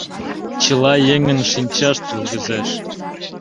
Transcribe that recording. Чыла еҥын шинчашт йылгыжеш.